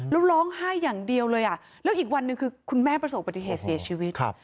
แล้วร้องไห้อย่างเดียวเลยอ่ะแล้วอีกวันหนึ่งคือคุณแม่ประสบปฏิเหตุเสียชีวิตครับ